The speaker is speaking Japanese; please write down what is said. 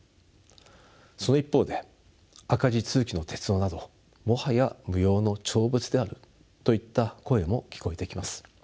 その一方で赤字続きの鉄道などもはや無用の長物であるといった声も聞こえてきます。